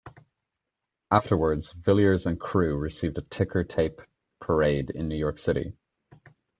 Afterwards, Villiers and crew received a ticker-tape parade in New York City.